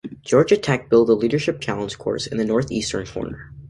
Georgia Tech built the Leadership Challenge Course in the northeast corner.